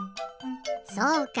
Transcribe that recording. そうか。